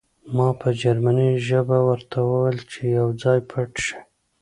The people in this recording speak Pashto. ما په جرمني ژبه ورته وویل چې یو ځای پټ شئ